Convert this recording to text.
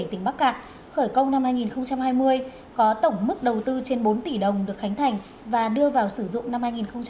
tỉnh bắc cạn khởi công năm hai nghìn hai mươi có tổng mức đầu tư trên bốn tỷ đồng được khánh thành và đưa vào sử dụng năm hai nghìn một mươi chín